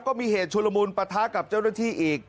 ก็มีเหตุชุลมุนปะทะกับเจ้าหน้าที่อีก